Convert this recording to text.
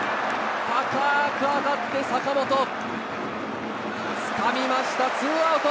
高く上がって、坂本、つかみました、２アウト。